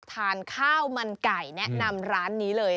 ทานข้าวมันไก่แนะนำร้านนี้เลย